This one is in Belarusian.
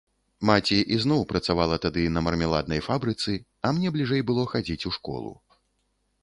Маці ізноў працавала тады на мармеладнай фабрыцы, а мне бліжэй было хадзіць у школу.